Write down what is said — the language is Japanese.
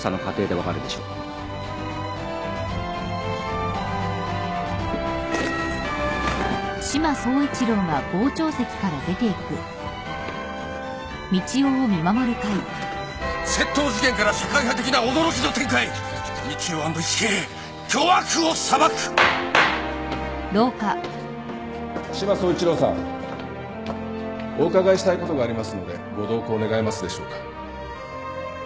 お伺いしたいことがありますのでご同行願えますでしょうか。